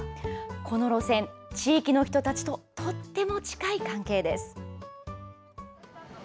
この路線、地域の人たちととっても近い関係です。